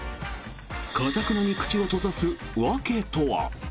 頑なに口を閉ざす訳とは。